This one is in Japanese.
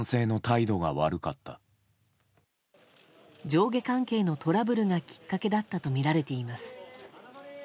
上下関係のトラブルがきっかけだったとみられています。